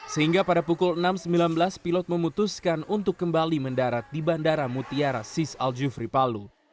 sehingga pada pukul enam sembilan belas pilot memutuskan untuk kembali mendarat di bandara mutiara sis al jufri palu